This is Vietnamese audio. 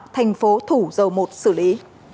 thành phố thủ dầu một xử lý